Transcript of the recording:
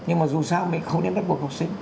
nhưng mà dù sao mình không nên bắt buộc học sinh